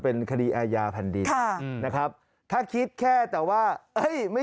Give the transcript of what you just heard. เป็นคดีอาญาพันธิ์นะครับถ้าคิดแค่แต่ว่าไม่